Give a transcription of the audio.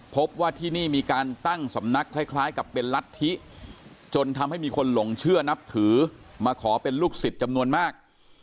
พบว่าที่นี่มีการตั้งสำนักคล้ายกับเป็นรัฐธิจนทำให้มีคนหลงเชื่อนับถือมาขอเป็นลูกศิษย์จำนวนมาก